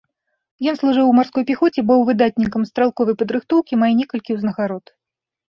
Ён служыў у марской пяхоце, быў выдатнікам стралковай падрыхтоўкі, мае некалькі ўзнагарод.